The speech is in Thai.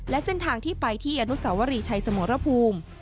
และเส้นทางที่ไปที่อนุสาวรีชัยสมรภูมิ